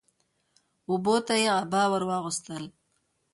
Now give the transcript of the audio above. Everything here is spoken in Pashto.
اوبو ته يې عبا ور واغوستل